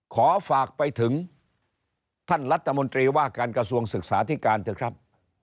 ขอฝากไปถึงท่านรัฐมนตรีว่าการกระทรวงศึกษาธิการเถอะครับ